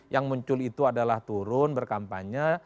yang muncul itu adalah turun berkampanye